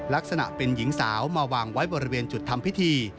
ลักษณะเป็นหญิงสาวมาวางไว้บริเวณจุดทำพิธี